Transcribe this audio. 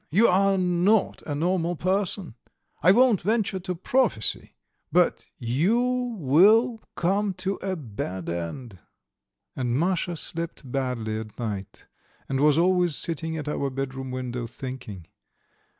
You are not a normal person! I won't venture to prophesy, but you will come to a bad end!" And Masha slept badly at night, and was always sitting at our bedroom window thinking.